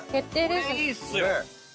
これいいっすよ。